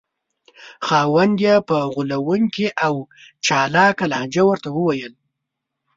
خاوند یې په غولونکې او چالاکه لهجه ورته وویل.